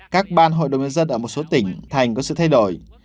các ban hội đồng nhân dân ở một số tỉnh thành có sự thay đổi